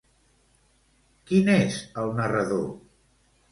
Qui n'és el narrador?